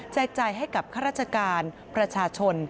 จ่ายให้กับข้าราชการประชาชน